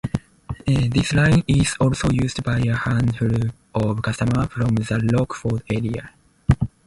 This line is also used by a handful of commuters from the Rockford area.